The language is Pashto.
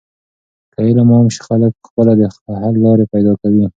که علم عام شي، خلک په خپله د حل لارې پیدا کوي.